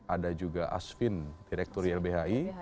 ada juga asvin direktur ylbhi